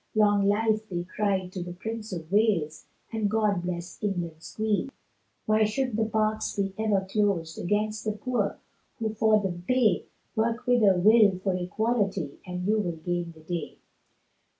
Long life, they cried, to the Prince of Wales, And God bless England's Queen! Why should the parks be ever closed Against the poor, who for them pay, Work with a will for equality, And you will gain the day.